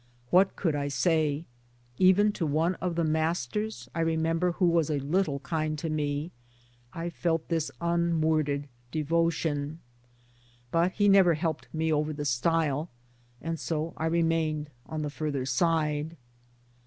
What could I say? Even to one of the masters, I remember, who was a little kind to me, I felt this unworded devotion ; but he never helped me over the stile, and so I remained on the farther side.